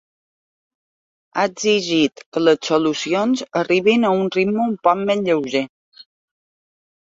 Ha exigit que les solucions arribin ‘a un ritme un poc més lleuger’.